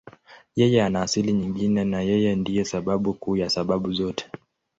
Yeye hana asili nyingine na Yeye ndiye sababu kuu ya sababu zote.